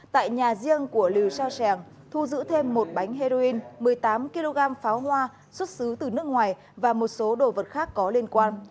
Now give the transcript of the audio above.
tại nhà riêng của lưu xeo trang thu giữ thêm một bánh heroin một mươi tám kg pháo hoa xuất xứ từ nước ngoài và một số đồ vật khác có liên quan